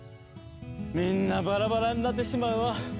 みんなバラバラになってしまうわ。